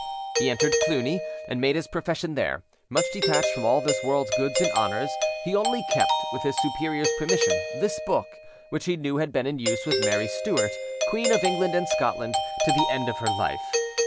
"He entered Cluny, and made his profession there, much detached from all this world's goods and honours; he only kept, with his superior's permission, this book, which he knew had been in use with Mary Stuart, Queen of England and Scotland, to the end of her life.